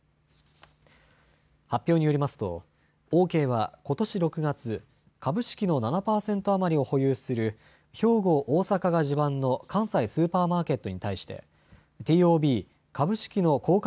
発表によりますとオーケーはことし６月、株式の７％余りを保有する兵庫、大阪が地盤の関西スーパーマーケットに対してＴＯＢ・株式の公開